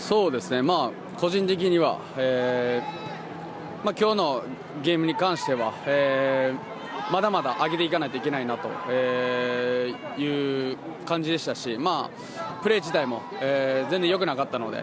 個人的には今日のゲームに関してはまだまだ上げていかないといけないなという感じでしたしプレー自体も全然よくなかったので。